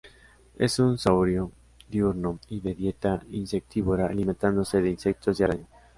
Es un saurio diurno y de dieta insectívora, alimentándose de insectos y arañas.